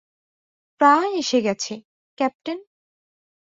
প্রায় এসে গেছে, ক্যাপ্টেন।